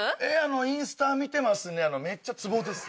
インスタ見てますねめっちゃツボです。